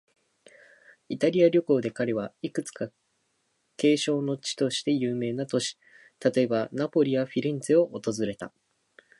イタリア旅行で彼は、いくつか景勝の地として有名な都市、例えば、ナポリやフィレンツェを訪れた。